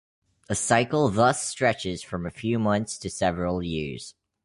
A cycle thus stretches from a few months to several years.